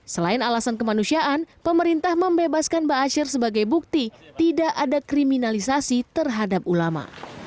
selain alasan kemanusiaan pemerintah membebaskan ba'asyir sebagai bukti tidak ada kriminalisasi terhadap ulama